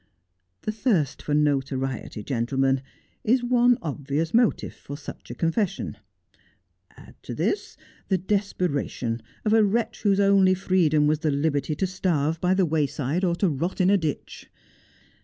The thirst for notoriety, gentlemen, is one obvious motive for such a confession ; add to this the desperation of a wretch whose only freedom was the liberty to starve by the way side or to rot in a ditch.